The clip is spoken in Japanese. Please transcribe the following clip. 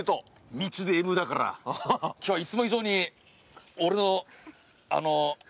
道でＭだから今日はいつも以上に。